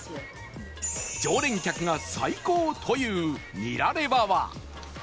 常連客が「最高」と言うニラレバは